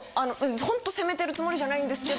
ホント責めてるつもりじゃないんですけど。